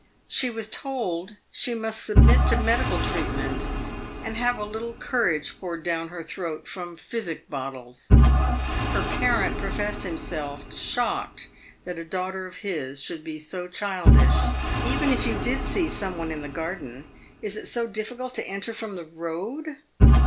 She was told she must submit to medical treatment, and have a little courage poured down her throat from physic bottles. Her parent professed himself shocked that a daughter of his should be so childish. " Even if you did see some one in the garden, is it so difficult to enter from the road